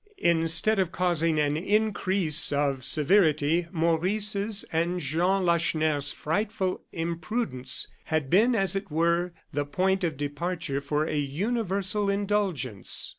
Instead of causing an increase of severity, Maurice's and Jean Lacheneur's frightful imprudence had been, as it were, the point of departure for a universal indulgence.